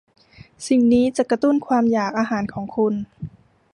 สิ่งนี้จะกระตุ้นความอยากอาหารของคุณ